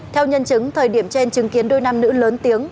theo nhân chứng thời điểm trên chứng kiến đôi nam nữ lớn tiếng